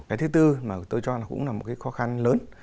cái thứ tư mà tôi cho là cũng là một cái khó khăn lớn